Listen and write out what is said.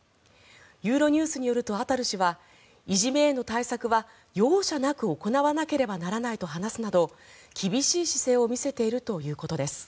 ユーロニュースによるとアタル氏は、いじめへの対策は容赦なく行わなければならないと話すなど厳しい姿勢を見せているということです。